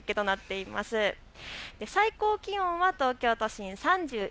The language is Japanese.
最高気温は東京都心、３１．６度。